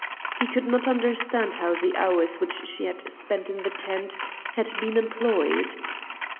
He could not understand how the hours which she had spent in the tent had been employed.